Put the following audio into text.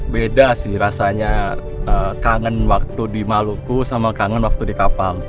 beda sih rasanya kangen waktu di maluku sama kangen waktu di kapal